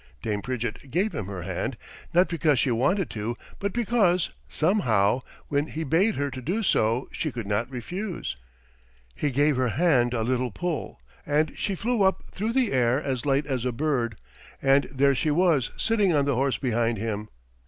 Dame Pridgett gave him her hand, not because she wanted to, but because, somehow, when he bade her do so she could not refuse. He gave her hand a little pull, and she flew up through the air as light as a bird, and there she was sitting on the horse behind him.